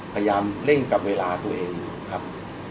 พยายามเร่งกับเวลาตัวเองครับ